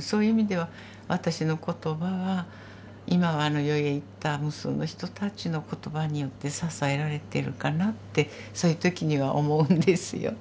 そういう意味では私の言葉は今はあの世へ行った無数の人たちの言葉によって支えられてるかなってそういう時には思うんですよ。